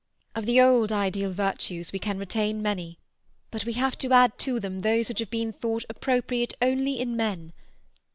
Of the old ideal virtues we can retain many, but we have to add to them those which have been thought appropriate only in men.